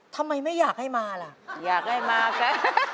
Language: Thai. ทำไมไม่อยากให้มาล่ะอยากให้มากัน